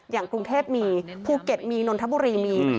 อย่างกรุงเทพมีภูเก็ตมีนนทบุรีมี